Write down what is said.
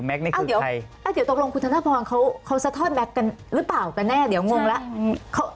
เดี๋ยวตกลงคุณธนพรเขาสะทอดแก๊กกันหรือเปล่ากันแน่เดี๋ยวงงแล้ว